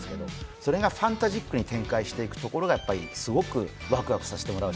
それがファンタジックに展開していくところが、すごくワクワクさせていただける。